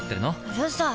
うるさい！